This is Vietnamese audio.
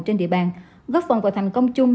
trên địa bàn góp phần vào thành công chung